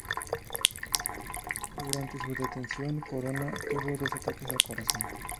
Durante su detención Corona tuvo dos ataques al corazón.